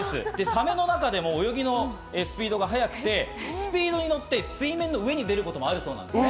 サメの中でも泳ぎのスピードが速くて、スピードにのって水面の上に出ることもあるそうなんです。